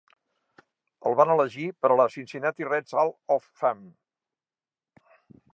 El van elegir per a la Cincinnati Reds Hall of Fame.